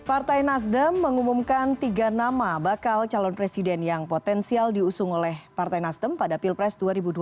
partai nasdem mengumumkan tiga nama bakal calon presiden yang potensial diusung oleh partai nasdem pada pilpres dua ribu dua puluh